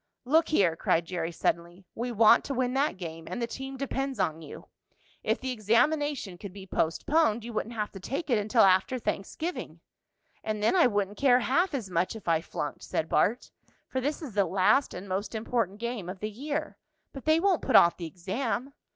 "Look here!" cried Jerry, suddenly. "We want to win that game, and the team depends on you. If the examination could be postponed you wouldn't have to take it until after Thanksgiving." "And then I wouldn't care half as much if I flunked," said Bart, "for this is the last and most important game of the year. But they won't put off the exam."